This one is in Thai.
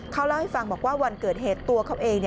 เขาเล่าให้ฟังบอกว่าวันเกิดเหตุตัวเขาเอง